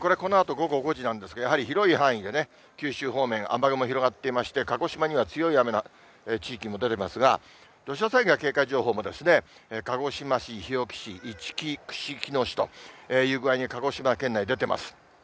これ、このあと午後５時なんですが、やはり広い範囲でね、九州方面、雨雲広がっていまして、鹿児島には強い雨の地域も出てますが、土砂災害警戒情報も鹿児島市、日置市、いちき串木野市と、鹿児島県内、出ています。